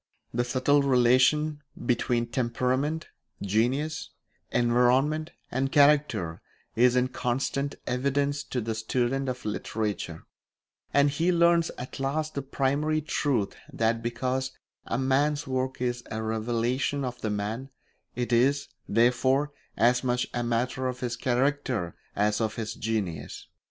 The subtle relation between temperament, genius, environment, and character is in constant evidence to the student of literature; and he learns at last the primary truth that because a man's work is a revelation of the man, it is, therefore, as much a matter of his character as of his genius.